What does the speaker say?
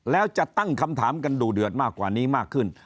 แล้วจะตั้งคำถามกันดูเดือดมากกว่านี้มากขึ้น